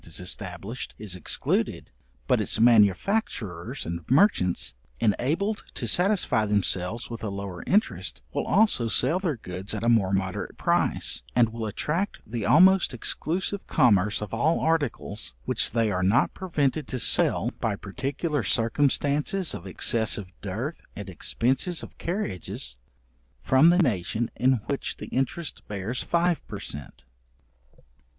is established, is excluded, but its manufacturers and merchants, enabled to satisfy themselves with a lower interest, will also sell their goods at a more moderate price, and will attract the almost exclusive commerce of all articles, which they are not prevented to sell by particular circumstances of excessive dearth, and expences of carriages, from the nation in which the interest bears five per cent.